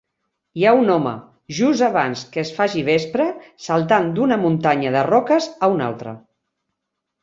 Hi ha un home, just abans que es faci vespre, saltant d'una muntanya de roques a una altra.